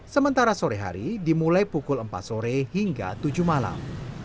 sementara sore hari dimulai pukul empat sore hingga tujuh malam